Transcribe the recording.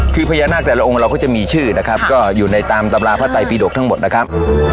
คือพญานาคแต่ละองค์เราก็จะมีชื่อนะครับก็อยู่ในตามตำราพระไตปีดกทั้งหมดนะครับ